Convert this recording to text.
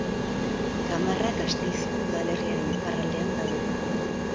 Gamarra Gasteizko udalerriaren iparraldean dago.